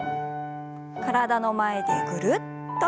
体の前でぐるっと。